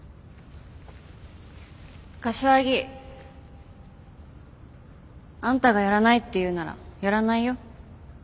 柏木あんたがやらないっていうならやらないよ。